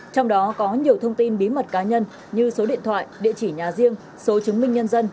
trong đó có nhiều thông tin bí mật cá nhân như số điện thoại địa chỉ nhà riêng số chứng minh nhân dân